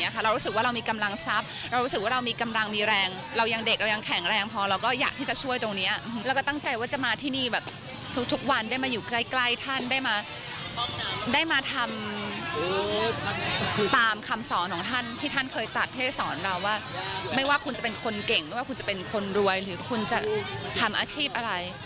หรือว่าคุณจะเป็นคนเก่งหรือว่าคุณจะเป็นคนรวยหรือคุณจะทำอาชีพอะไร